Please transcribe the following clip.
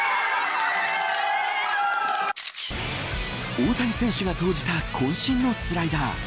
大谷選手が投じたこん身のスライダー